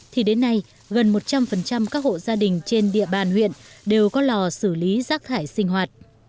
thì đến nay gần một trăm linh các hộ gia đình trên địa bàn huyện đều có lò xử lý rác thải sinh hoạt